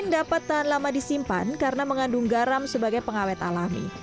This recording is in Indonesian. tidak karena ikan asin lama disimpan karena mengandung garam sebagai pengawet alami